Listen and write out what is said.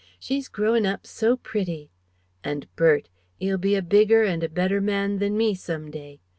She's growin' up so pretty ... and Bert! 'E'll be a bigger and a better man than me, some day.